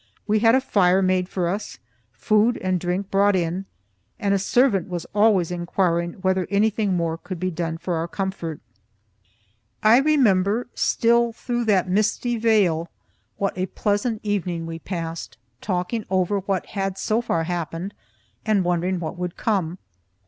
We had a fire made for us, food and drink brought in, and a servant was always inquiring whether anything more could be done for our comfort. I remember, still through that misty veil, what a pleasant evening we passed, talking over what had so far happened, and wondering what would come.